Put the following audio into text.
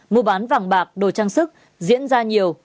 mua bán vàng bạc đồ trang sức diễn ra nhiều